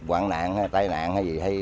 hoạn nạn hay tai nạn hay gì